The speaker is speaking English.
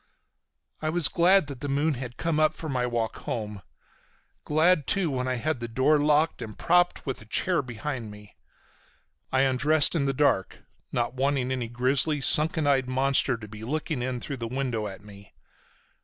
I was glad the moon had come up for my walk home, glad too when I had the door locked and propped with a chair behind me. I undressed in the dark, not wanting any grisly, sunken eyed monster to be looking in through the window at me.